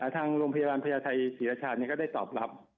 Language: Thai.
ทางโรงพยาบาลพญาไทยศรีรชาก็ได้ตอบรับ